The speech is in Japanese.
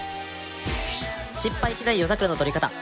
失敗しない夜桜の撮り方！